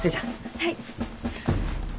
はい。